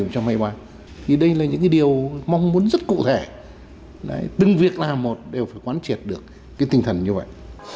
thì đây là những cái điều mong muốn rất cụ thể từng việc làm một đều phải quán triệt được cái tinh thần như vậy